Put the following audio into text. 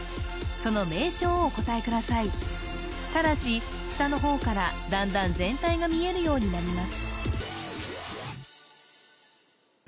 その名称をお答えくださいただし下の方から段々全体が見えるようになります